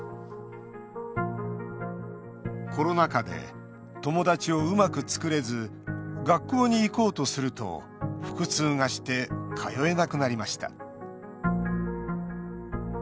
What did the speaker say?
コロナ禍で、友達をうまく作れず学校に行こうとすると腹痛がして通えなくなりました。